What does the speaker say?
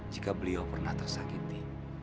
jika beliau pernah tersakiti